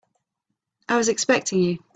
I was expecting you.